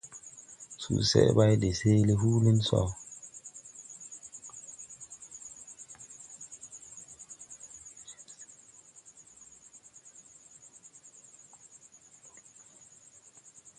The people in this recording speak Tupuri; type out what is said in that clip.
Ceege sen kol kan seele bi go dolgãy.